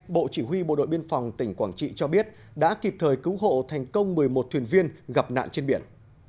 bộ chỉ huy bộ đội biên phòng tỉnh quảng trị cho biết đã kịp thời cứu hộ thành công một mươi một thuyền viên gặp nạn trên biển